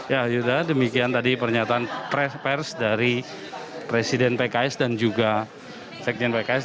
ya yuda demikian tadi pernyataan pers dari presiden pks dan juga sekjen pks